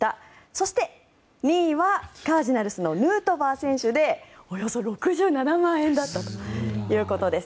そして、２位はカージナルスのヌートバー選手でおよそ６７万円だったということです。